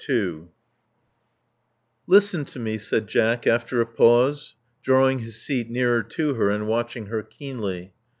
Listen tome, said Jack, after a pause, drawing / his seat nearer to her, and watching her keenly.